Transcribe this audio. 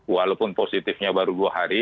walaupun positifnya baru dua hari